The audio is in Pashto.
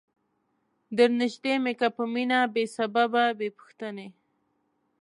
درنیژدې می که په مینه بې سببه بې پوښتنی